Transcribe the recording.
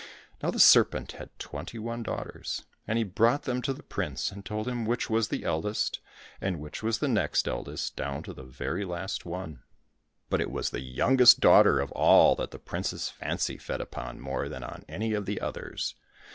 Now the serpent had twenty one daughters, and he brought them to the prince, and told him which was the eldest, and which the next eldest, down to the very last one. But it was the youngest daughter of all that the prince's fancy fed upon more than on any of the others.